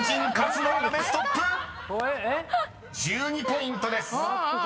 ［１２ポイントです］